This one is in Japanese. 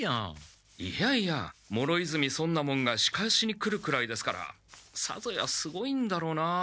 いやいや諸泉尊奈門が仕返しに来るくらいですからさぞやすごいんだろうな。